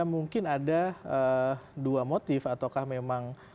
mungkin ada dua motif ataukah memang